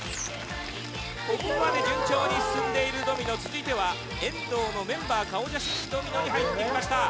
ここまで順調に進んでいるドミノ続いては遠藤のメンバー顔写真ドミノに入ってきました。